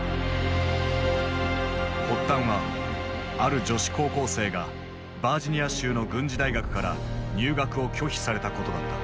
発端はある女子高校生がバージニア州の軍事大学から入学を拒否されたことだった。